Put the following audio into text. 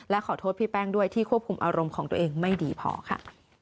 และขอโทษพี่แป้งด้วยที่ควบคุมอารมณ์ของตัวเองไม่ดีพอค่ะ